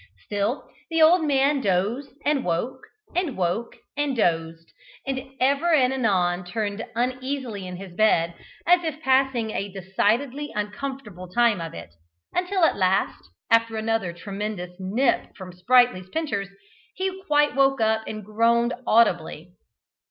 Still the old man dozed and woke, and woke and dozed, and ever and anon turned uneasily in his bed, as if passing a decidedly uncomfortable time of it, until at last, after another tremendous nip from Sprightly's pincers, he quite woke up and groaned audibly.